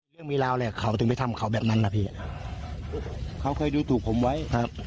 เรื่องมีราวแหละเขาถึงไปทำเขาแบบนั้นนะพี่เขาเคยดูถูกผมไว้ครับ